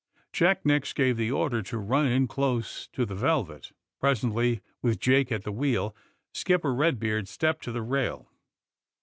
Jack next gave the order to run in close to the ^^ Velvet.'^ Presently, with Jake at the wheel, Skipper Eedbeard stepped to the rail.